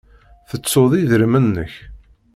Tettuḍ idrimen-nnek.